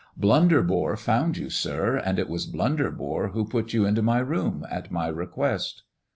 " Blunderbore found you, sir, and it was Blund who put you into my room, at my request."